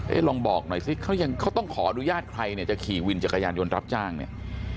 ลองบอกหน่อยสิเขายังเขาต้องขออนุญาตใครเนี่ยจะขี่วินจักรยานยนต์รับจ้างเนี่ย